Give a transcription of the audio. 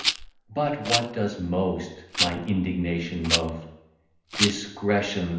But, what does most my indignation move, Discretion!